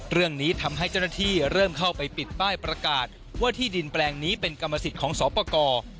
เรื่องนี้ทำให้เจ้าหน้าที่เริ่มเข้าไปปิดป้ายประกาศว่าที่ดินแปลงนี้เป็นกรรมสิทธิ์ของสอบประกอบ